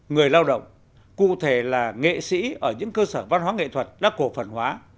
người lao động cụ thể là nghệ sĩ ở những cơ sở văn hóa nghệ thuật đã cổ phần hóa